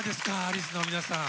アリスの皆さん。